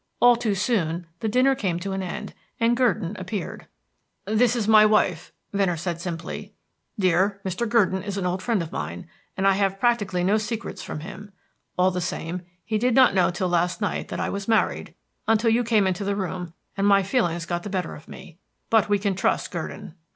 All too soon the dinner came to an end, and Gurdon appeared. "This is my wife," Venner said simply. "Dear, Mr. Gurdon is a very old friend of mine, and I have practically no secrets from him. All the same, he did not know till last night that I was married until you came into the room and my feelings got the better of me. But we can trust Gurdon."